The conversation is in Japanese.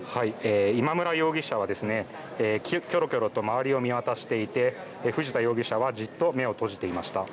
今村容疑者はきょろきょろと周りを見渡していて藤田容疑者はじっと目を閉じていました。